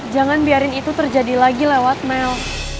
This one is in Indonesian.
jangan biarin itu terjadi lagi lewat mel